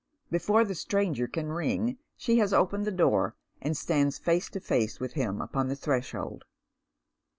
Before the stranger can ring she has opened the door, and stands face to face with him upon the threshold.